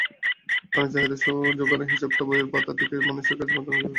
কারণ, চাহিদা জোগানের হিসাবটা বইয়ের পাতা থেকে মানুষের কাছে পৌঁছানোটা জরুরি।